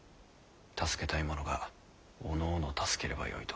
助けたい者がおのおの助ければよいと。